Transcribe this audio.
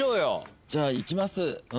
じゃあいきます。